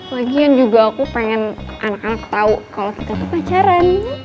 lagian juga aku pengen anak anak tahu kalau kita tuh pacaran